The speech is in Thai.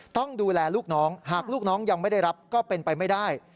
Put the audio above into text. ต้องดูแลลูกน้องหากลูกน้องยังไม่ได้รับก็เป็นไปไม่ได้